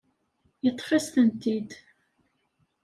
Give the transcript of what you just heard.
Yeṭṭef-as-tent-id.